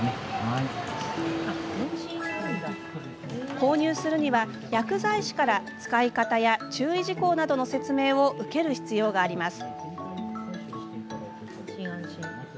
購入するには、薬剤師から使い方や注意事項などの説明を受ける必要があります。